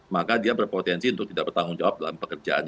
maka dia berpotensi untuk tidak bertanggung jawab dalam pekerjaan